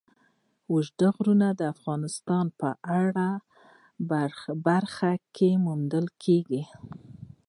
اوږده غرونه د افغانستان په هره برخه کې موندل کېږي.